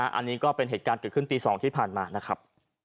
อันนี้ก็เป็นเหตุการณ์เกิดขึ้นตี๒ที่ผ่านมานะครับ